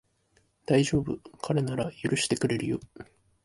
だいじょうぶ、彼なら許してくれるよ